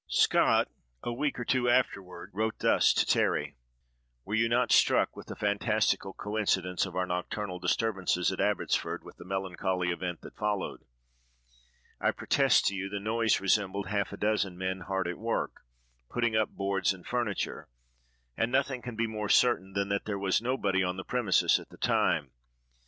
Scott, a week or two afterward, wrote thus to Terry: "Were you not struck with the fantastical coincidence of our nocturnal disturbances at Abbotsford, with the melancholy event that followed? I protest to you, the noise resembled half a dozen men hard at work, putting up boards and furniture; and nothing can be more certain than that there was nobody on the premises at the time.